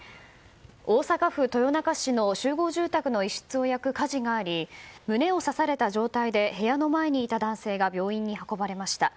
大阪府豊中市の集合住宅の一室を焼く火事があり胸を刺された状態で部屋の前にいた男性が病院に運ばれました。